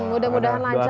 mudah mudahan lancar lah ya